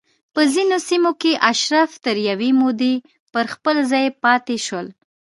په ځینو سیمو کې اشراف تر یوې مودې پر خپل ځای پاتې شول